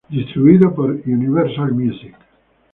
Distribuido por "Universal Music".